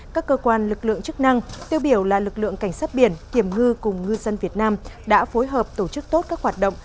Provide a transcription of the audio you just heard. các cơ quan lực lượng chức năng tiêu biểu là lực lượng cảnh sát biển kiểm ngư cùng ngư dân việt nam đã phối hợp tổ chức tốt các hoạt động